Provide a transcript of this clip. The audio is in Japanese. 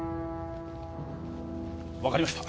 分かりました！